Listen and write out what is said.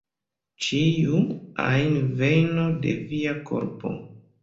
Ĉiu ajn vejno de via korpo".